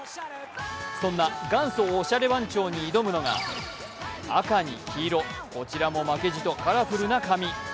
そんな元祖おしゃれ番長に挑むのがこちらも負けじとカラフルな髪。